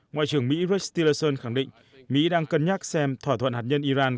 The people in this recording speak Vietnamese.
ngoại trưởng mỹ rich stilson khẳng định mỹ đang cân nhắc xem thỏa thuận hạt nhân iran